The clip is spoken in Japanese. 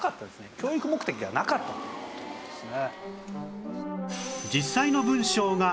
教育目的ではなかったという事なんですね。